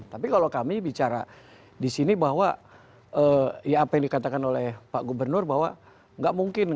tapi kalau kami bicara di sini bahwa ya apa yang dikatakan oleh pak gubernur bahwa nggak mungkin